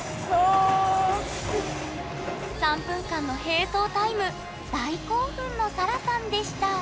３分間の並走タイム大興奮のさらさんでした